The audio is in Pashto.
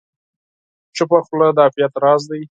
چپه خوله، د عافیت راز دی.